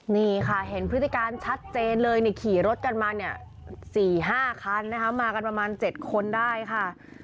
นี่ค่ะเห็นพฤติการชัดเจนเลยขี่รถกันมาเนี่ย๔๕คันนะคะมากันประมาณ๗คนได้ค่ะ